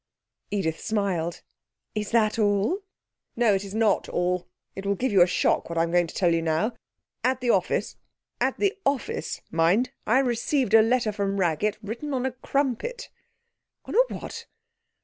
"' Edith smiled. 'Is that all?' 'No, it is not all. It will give you a shock, what I'm going to tell you now. At the office at the office, mind I received a letter from Raggett, written on a crumpet.' 'On a what?'